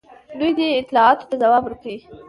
دوی دې اطلاعاتو ته ځواب ورکوي.